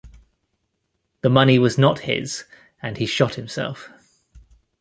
The money was not his, and he shot himself.